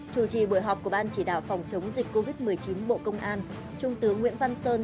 chủ trì buổi họp của ban chỉ đạo phòng chống dịch covid một mươi chín bộ công an trung tướng nguyễn văn sơn